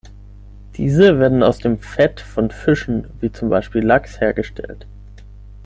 Diese werden aus dem Fett von Fischen wie zum Beispiel Lachs hergestellt.